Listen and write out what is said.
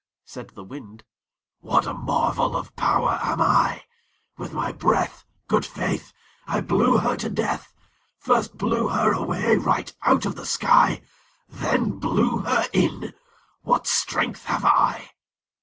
Said the Wind "What a marvel of power am I! With my breath, Good faith! I blew her to death First blew her away right out of the sky Then blew her in; what strength have I!"